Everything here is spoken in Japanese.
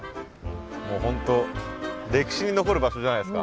本当歴史に残る場所じゃないですか。